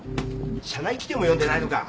社内規定も読んでないのか。